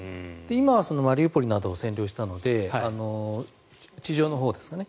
今はマリウポリなどを占領したので地上のほうですね